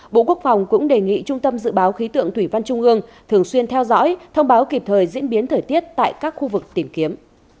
bộ quốc phòng cũng đề nghị trung tâm dự báo khí tượng thủy văn trung ương thường xuyên theo dõi thông báo kịp thời diễn biến thời tiết tại các khu vực tìm kiếm